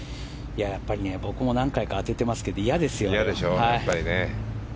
僕も何回か当ててますけど嫌ですよね。